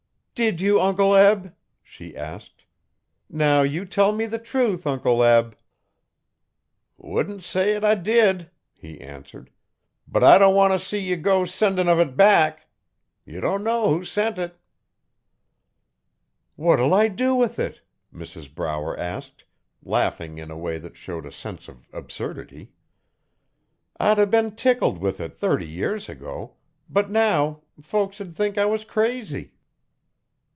'Did you, Uncle Eb?' she asked. 'Now you tell me the truth, Uncle Eb.' 'Wouldn't say 't I did,' he answered, 'but I don' want 'a see ye go sendin' uv it back. Ye dunno who sent it.' 'What'll I do with it?' Mrs Brower asked, laughing in a way that showed a sense of absurdity. 'I'd a been tickled with it thirty years ago, but now folks 'ud think I was crazy.'